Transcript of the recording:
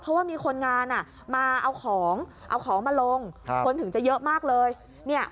เพราะว่ามีคนงานมาเอาของเอาของมาลงคนถึงจะเยอะมากเลยเนี่ย